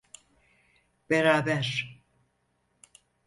Beraber.